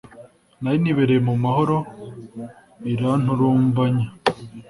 nari nibereye mu mahoro, iranturumbanya